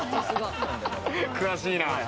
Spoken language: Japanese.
詳しいな。